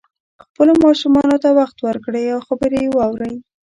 خپلو ماشومانو ته وخت ورکړئ او خبرې یې واورئ